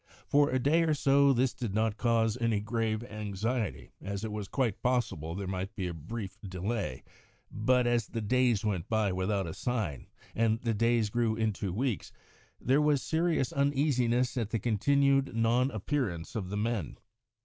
For a day or so this did not cause any grave anxiety, as it was quite possible that there might be a brief delay, but as the days went by without a sign, and the days grew into weeks, there was serious uneasiness at the continued non appearance of the men.